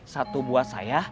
satu buat saya